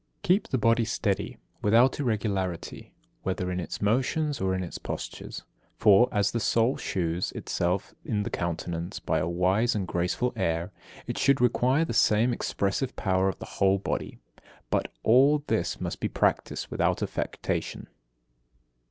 60. Keep the body steady, without irregularity, whether in its motions or in its postures. For, as the soul shews itself in the countenance by a wise and graceful air, it should require the same expressive power of the whole body. But all this must be practised without affectation.